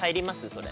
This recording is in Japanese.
それ。